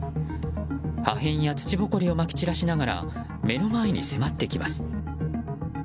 破片や土ぼこりをまき散らしながら目の前に迫ってきます。